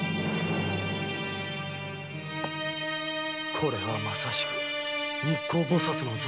これはまさしく「日光菩薩像」。